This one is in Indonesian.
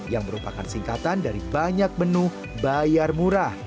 yang merupakan singkatan dari banyak menu bayar murah